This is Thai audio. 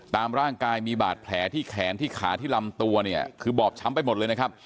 ตามร่างกายมีบาดแผลที่แขนที่ขาที่ลำตัวเนี่ยคือบอบช้ำไปหมดเลยนะครับ